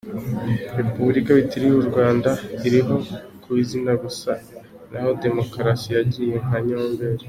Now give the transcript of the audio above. -Repubulika bitirira u Rwanda iriho ku izina gusa naho Demokarasi yagiye nka nyomberi;